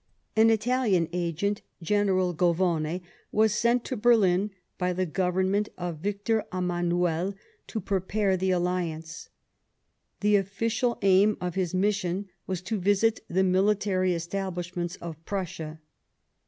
An Italian agent, General Govone, was sent to Berlin by the Government of Victor Emmanuel to prepare the Alliance; the official aim of his mission was to visit the military establishments of Prussia.